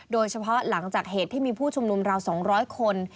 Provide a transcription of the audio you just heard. โดยเฉพาะหลังจากเหตุที่มีผู้ชุมนุมราว๒๐๐คน